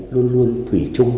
luôn luôn thủy chung